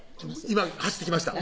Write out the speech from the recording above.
今走ってきました